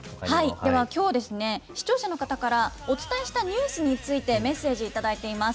ではきょうですね、視聴者の方から、お伝えしたニュースについて、メッセージ頂いています。